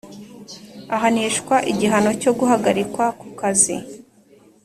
Ahanishwa igihano cyo guhagarikwa ku kazi